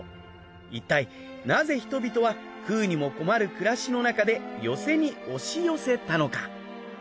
いったいなぜ人々は食うにも困る暮らしのなかで寄席に押し寄せたのか？